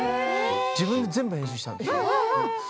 自分で全部、編集したんです。